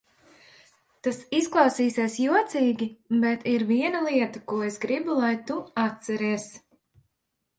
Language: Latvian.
Tas izklausīsies jocīgi, bet ir viena lieta, ko es gribu, lai tu atceries.